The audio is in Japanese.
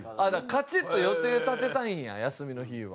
カチッと予定立てたいんや休みの日は。